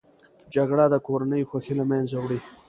جګړه د کورنۍ خوښۍ له منځه وړي